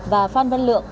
và phan văn lượng